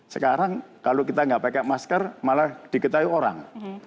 sekarang kalau kita nggak pakai masker malah diketahui orang